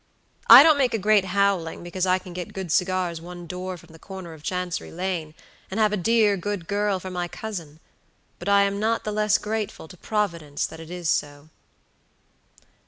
I don't make a great howling because I can get good cigars one door from the corner of Chancery Lane, and have a dear, good girl for my cousin; but I am not the less grateful to Providence that it is so."